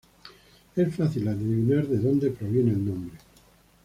Es fácil adivinar de donde proviene el nombre.